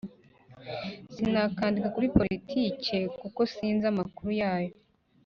Sinakwandika kuri politike kuko sinzi amakuru yayo